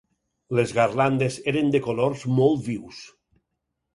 Les garlandes eren de colors molt vius.